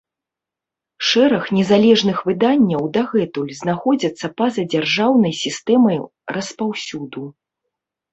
Шэраг незалежных выданняў дагэтуль знаходзяцца па-за дзяржаўнай сістэмай распаўсюду.